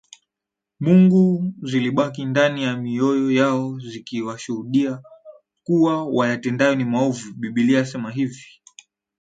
Mungu zilibaki ndani ya mioyo yao zikiwashuhudia kuwa wayatendayo ni maovu Biblia yasema hivi